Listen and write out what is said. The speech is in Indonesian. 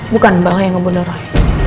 bukan mbak yang ngebunuh roy